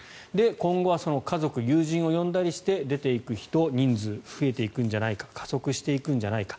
今後はその家族、友人を呼んだりして出ていく人の人数増えていくんじゃないか加速していくんじゃないか。